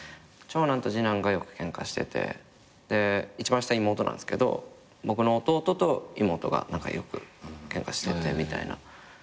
長男と次男がよくケンカしててで一番下妹なんですけど僕の弟と妹が何かよくケンカしててみたいな。